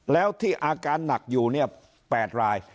แล้วที่อาการหนักอยู่เนี่ย๘ราย